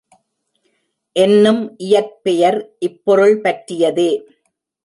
என்னும் இயற்பெயர் இப்பொருள் பற்றியதே.